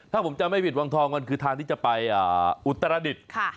ถ้าผมจำไม่ผิดวังทองมันคือทางที่จะไปอุตรดิษฐ์